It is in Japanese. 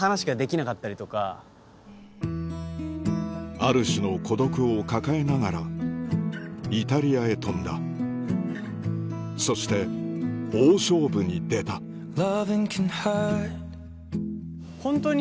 ある種の孤独を抱えながらイタリアへ飛んだそして大勝負に出たあ！